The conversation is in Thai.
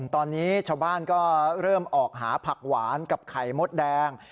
ตอนนี้ชาวบ้านก็เริ่มออกหาผักหวานกับไข่มดแดง